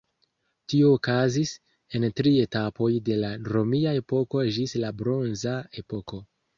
Tio okazis en tri etapoj de la romia epoko ĝis la bronza epoko.